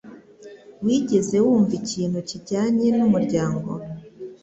Wigeze wumva ikintu kijyanye n'umuryango